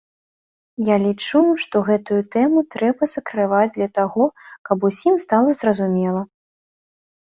Я лічу, што гэтую тэму трэба закрываць для таго, каб усім стала зразумела.